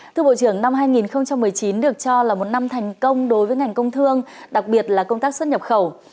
thưa bộ trưởng năm hai nghìn một mươi chín được cho là một năm thành công đối với ngành công thương đặc biệt là công tác xuất nhập khẩu